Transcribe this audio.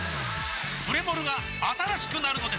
プレモルが新しくなるのです！